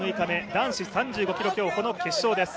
男子３５ｋｍ競歩の決勝です。